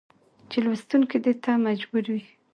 چې لوستونکى دې ته مجبور وي